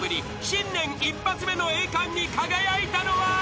［新年一発目の栄冠に輝いたのは］